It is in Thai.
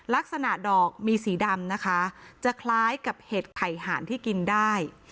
ลักษณะดอกมีสีดำนะคะจะคล้ายกับเห็ดไข่หานที่กินได้